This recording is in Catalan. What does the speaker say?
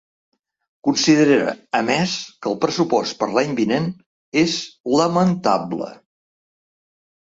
Considera, a més, que el pressupost per l’any vinent és ‘lamentable’.